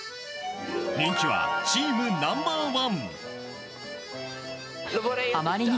人気はチームナンバー１。